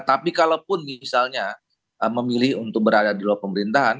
tapi kalaupun misalnya memilih untuk berada di luar pemerintahan